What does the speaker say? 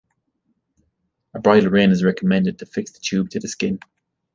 A bridle rein is recommended to fix the tube to the skin.